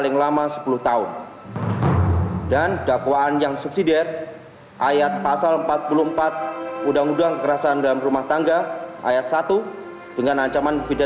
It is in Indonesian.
itu semua salah dave